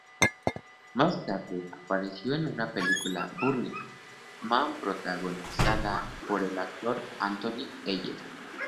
Más tarde apareció en la película "Burning Man" protagonizada por el actor Anthony Hayes.